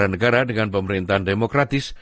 negara dengan pemerintahan demokratis